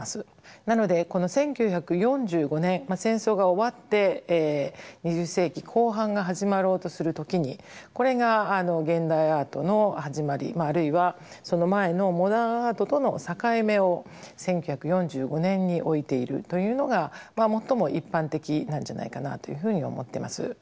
なのでこの１９４５年戦争が終わって２０世紀後半が始まろうとする時にこれが現代アートの始まりあるいはその前のモダンアートとの境目を１９４５年に置いているというのが最も一般的なんじゃないかなというふうに思ってます。